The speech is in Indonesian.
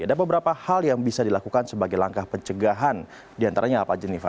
ada beberapa hal yang bisa dilakukan sebagai langkah pencegahan diantaranya apa jenifa